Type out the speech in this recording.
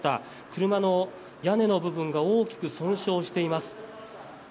車の屋根の部分が大きく損傷しています。